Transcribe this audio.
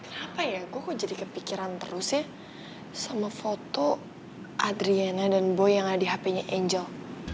kenapa ya gue jadi kepikiran terus ya sama foto adriana dan boy yang ada di hp nya angel